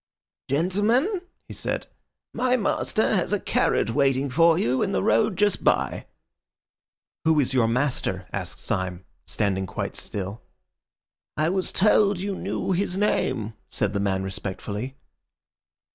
"Gentlemen," he said, "my master has a carriage waiting for you in the road just by." "Who is your master?" asked Syme, standing quite still. "I was told you knew his name," said the man respectfully.